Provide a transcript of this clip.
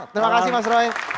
terima kasih mas roy